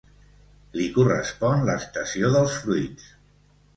Li correspon l'estació dels fruits.